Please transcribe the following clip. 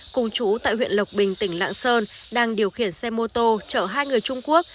cùng chú tại huyện lộc bình tỉnh lạng sơn đang điều khiển xe mô tô chở hai người trung quốc